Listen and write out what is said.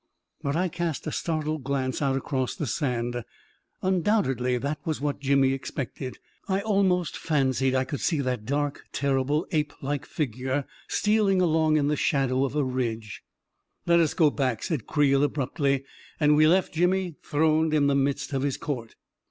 But I cast a startled glance out across the sand; undoubtedly that was what Jimmy expected; I al most fancied I could see that dark, terrible, ape like figure stealing along in the shadow of a ridge •.•" Let us go back," said Creel, abruptly, and we left Jimmy throned in the midst of his court.